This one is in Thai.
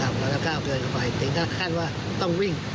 เราจะก้าวเกิดเข้าไปสิ่งที่น่าขั้นว่าต้องวิ่ง